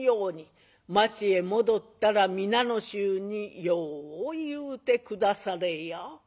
町へ戻ったら皆の衆によう言うて下されや」。